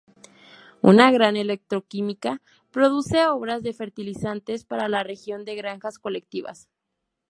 Una gran electroquímica produce obras de fertilizantes para la región de granjas colectivas.